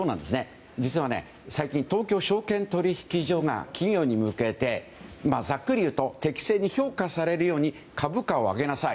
実は最近東京証券取引所が企業に向けて、ざっくり言うと適正に評価されるように株価を上げなさい。